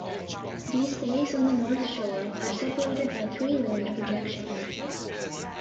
These bays on the north shore are separated by three land projections.